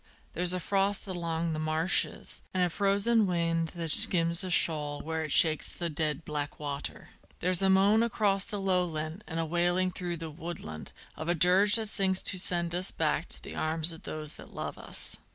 there's a frost along the marshes, And a frozen wind that skims the shoal where it shakes the dead black water; There's a moan across the lowland and a wailing through the woodland Of a dirge that sings to send us back to the arms of those that love us.